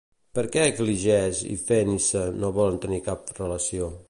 Per què Cligès i Fénice no volen tenir cap relació?